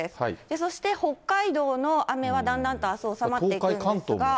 そして北海道の雨はだんだんとあす収まっていくんですが。